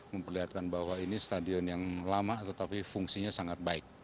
memperlihatkan bahwa ini stadion yang lama tetapi fungsinya sangat baik